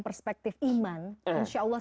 perspektif iman insyaallah